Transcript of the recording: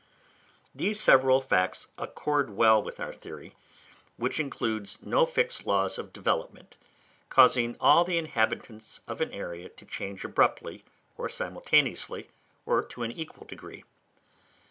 These several facts accord well with our theory, which includes no fixed law of development, causing all the inhabitants of an area to change abruptly, or simultaneously, or to an equal degree.